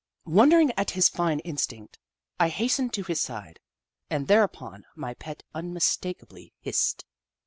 Wondering at his fine instinct, I hastened to his side, and, thereupon, my pet unmistakably hissed.